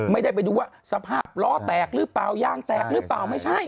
ไม่ได้ไปดูว่าสภาพล้อแตกหรือเปล่ายางแตกหรือเปล่าไม่ใช่